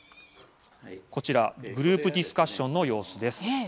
こちらはグループディスカッションの様子です。